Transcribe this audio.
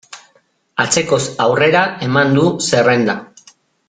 Atzekoz aurrera eman du zerrenda.